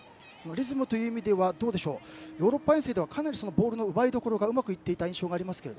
リズムという意味ではヨーロッパ遠征ではかなりボールの奪いどころがうまくいっていた印象がありますが。